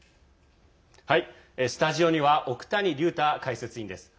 スタジオには奥谷龍太解説委員です。